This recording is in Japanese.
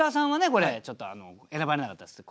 これちょっと選ばれなかったですね